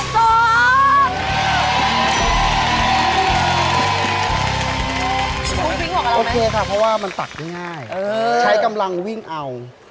คุณวิ่งหวังอะไรไหมโอเคค่ะเพราะว่ามันตักง่ายใช้กำลังวิ่งเอา